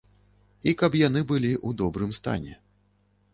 І каб яны былі ў добрым стане.